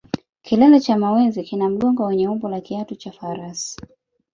Kilele cha mawenzi kina mgongo wenye umbo la kiatu cha farasi